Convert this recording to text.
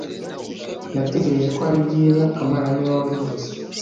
Natekereje ko ari byiza kamana niwe wabivuze